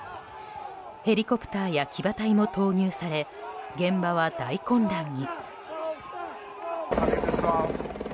ヘリコプターや騎馬隊も投入され現場は大混乱に。